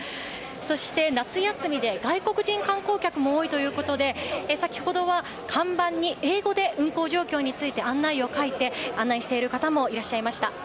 そして、夏休みで外国人観光客も多いということで先ほどは、看板に英語で運行状況について案内を書いている方もいらっしゃいました。